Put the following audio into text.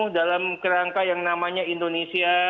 dalam kerangka yang namanya indonesia